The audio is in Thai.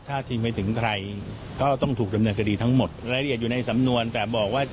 ทิ้งไปถึงใครก็ต้องถูกดำเนินคดีทั้งหมดรายละเอียดอยู่ในสำนวนแต่บอกว่า